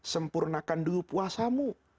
sempurnakan dulu puasamu